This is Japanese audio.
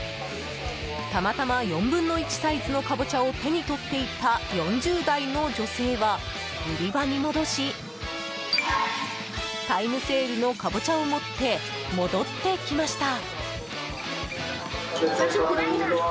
たまたま、４分の１サイズのカボチャを手に取っていた４０代の女性は、売り場に戻しタイムセールのカボチャを持って戻ってきました。